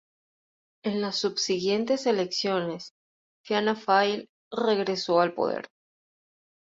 En las subsiguientes elecciones, Fianna Fáil regresó al poder.